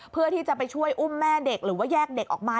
เพื่อที่จะไปช่วยอุ้มแม่เด็กหรือว่าแยกเด็กออกมา